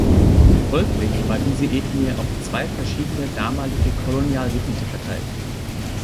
Folglich war diese Ethnie auf zwei verschiedene damalige Kolonialgebiete verteilt.